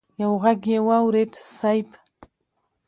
يو ږغ يې واورېد: صېب!